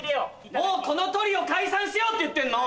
もうこのトリオ解散しようって言ってんの！